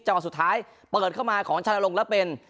วันสุดท้ายเปิดเข้ามาของชานลงแล้วเป็น